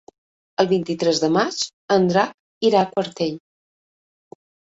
El vint-i-tres de maig en Drac irà a Quartell.